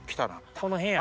この辺や。